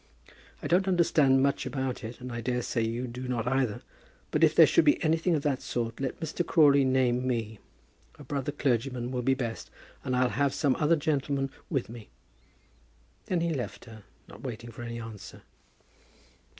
I don't understand much about it, and I daresay you do not either; but if there should be anything of that sort, let Mr. Crawley name me. A brother clergyman will be best, and I'll have some other gentleman with me." Then he left her, not waiting for any answer.